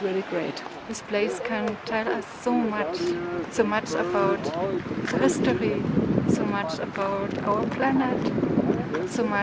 tempat ini bisa memberi kita banyak banyak tentang sejarah tentang planet kita